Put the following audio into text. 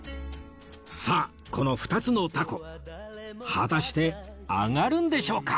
さあこの２つの凧果たして揚がるんでしょうか？